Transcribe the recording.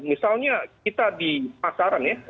misalnya kita di pasaran ya